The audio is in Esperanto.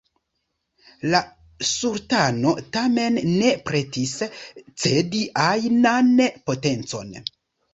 La Sultano, tamen, ne pretis cedi ajnan potencon.